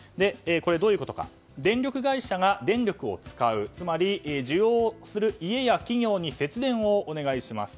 どういうことか、電力会社が電力を使う、つまり家や企業に節電をお願いします。